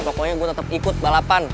pokoknya gue tetap ikut balapan